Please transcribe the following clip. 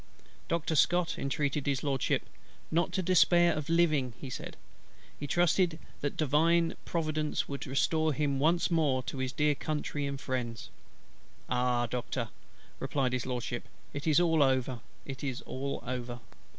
Doctor SCOTT entreated His LORDSHIP "not to despair of living," and said "he trusted that Divine Providence would restore him once more to his dear Country and friends." "Ah, Doctor!" replied His LORDSHIP, "it is all over; it is all over."